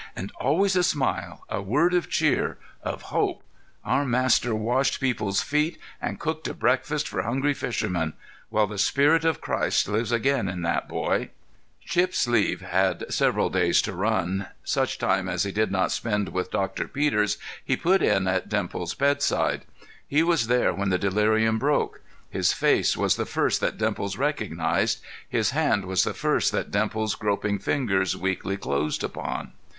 And always a smile, a word of cheer, of hope. Our Master washed people's feet and cooked a breakfast for hungry fishermen. Well, the spirit of Christ lives again in that boy." Shipp's leave had several days to run; such time as he did not spend with Doctor Peters he put in at Dimples's bedside. He was there when the delirium broke; his face was the first that Dimples recognized; his hand was the first that Dimples's groping fingers weakly closed upon.